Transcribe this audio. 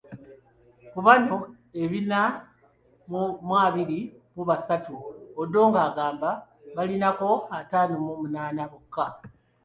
Ku bano ebina mu abiri mu basatu, Odongo agamba balinako ataano mu munaana bokka.